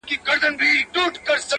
ستا د يوې لپي ښكلا په بدله كي ياران ـ